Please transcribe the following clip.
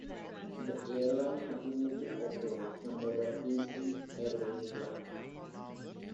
The airline continues to operate under the Eastern Airways brand.